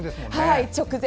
直前！